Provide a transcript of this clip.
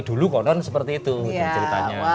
dulu konon seperti itu ceritanya